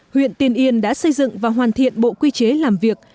huyện tiên yên đã xây dựng và hoàn thiện bộ quy chế làm việc